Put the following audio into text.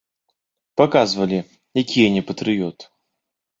Паказвалі, які я не патрыёт.